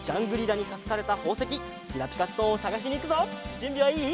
じゅんびはいい？